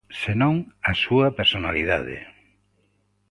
Senón a súa personalidade.